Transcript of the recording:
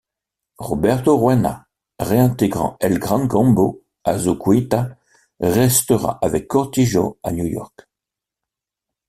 Roberto Roena réintégrant El Gran Combo, Azuquita restera avec Cortijo à New York.